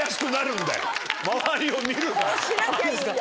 周りを見るから。